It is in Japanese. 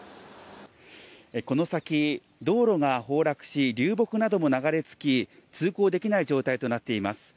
この先、道路が崩落し流木なども流れ着き通行できない状態となっています。